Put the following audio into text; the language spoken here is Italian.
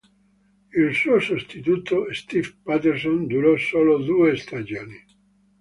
Il suo sostituto, Steve Paterson, durò solo due stagioni.